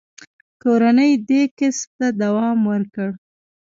کورنۍ دې کسب ته دوام ورکړ.